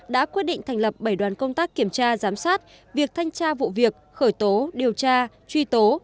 đã quyết định thành lập bảy đoàn công tác kiểm tra giám sát việc thanh tra vụ việc khởi tố điều tra truy tố